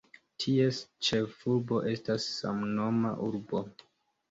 Ties ĉefurbo estas samnoma urbo.